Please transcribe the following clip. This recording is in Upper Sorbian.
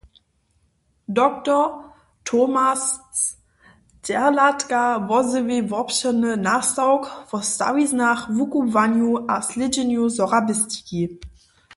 Dr. Tomasz Derlatka wozjewi wobšěrny nastawk wo stawiznach, wukubłanju a slědźenju sorabistiki.